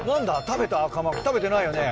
食べてないよね。